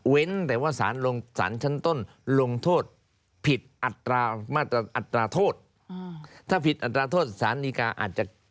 เว้นแต่ว่าสารชั้นต้นลงโทษผิดอัตราโทษถ้าผิดอัตราโทษสารดีการอาจจะ